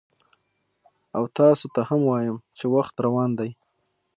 او تاسو ته هم وایم چې وخت روان دی،